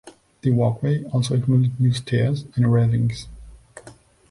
The walkway also included new stairs and railings.